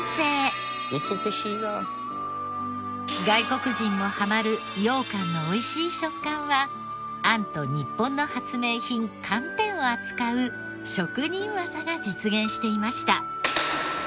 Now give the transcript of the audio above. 外国人もハマるようかんのおいしい食感はあんと日本の発明品寒天を扱う職人技が実現していました。